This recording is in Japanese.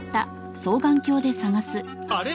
あれ？